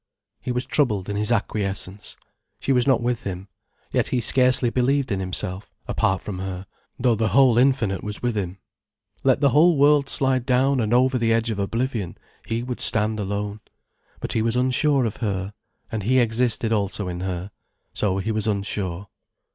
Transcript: He was troubled in his acquiescence. She was not with him. Yet he scarcely believed in himself, apart from her, though the whole Infinite was with him. Let the whole world slide down and over the edge of oblivion, he would stand alone. But he was unsure of her. And he existed also in her. So he was unsure.